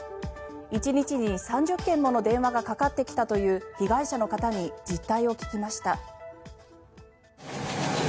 １日に３０件もの電話がかかってきたという被害者の方に実態を聞きました。